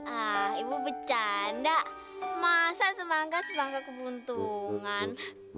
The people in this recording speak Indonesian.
ah ibu bercanda masa semangka semangka kebentungan